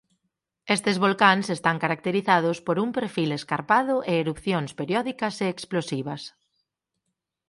Estes volcáns están caracterizados por un perfil escarpado e erupcións periódicas e explosivas.